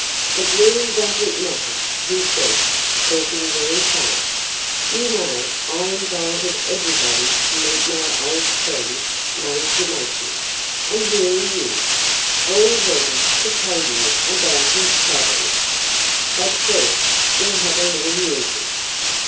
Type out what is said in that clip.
"It really doesn't matter," he said, talking very fast. "You know, I invited everybody to meet my old friend, Major Monkey. And here he is, all ready to tell you about his travels. But first we'll have a little music."